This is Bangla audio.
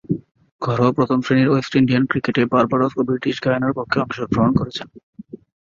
ঘরোয়া প্রথম-শ্রেণীর ওয়েস্ট ইন্ডিয়ান ক্রিকেটে বার্বাডোস ও ব্রিটিশ গায়ানার পক্ষে অংশগ্রহণ করেছেন।